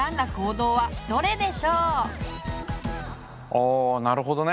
ああなるほどね。